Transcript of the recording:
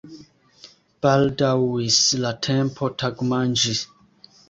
Baldaŭis la tempo tagmanĝi.